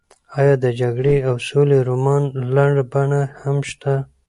ایا د جګړې او سولې رومان لنډه بڼه هم شته؟